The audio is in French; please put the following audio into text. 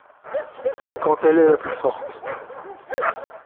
Quand elle est la plus forte.